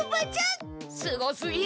すごすぎる！